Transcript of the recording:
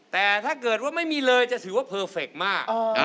แต่ถ้าเกิดว่าไม่มีเลยจะถือว่าเพอร์เฟคมาก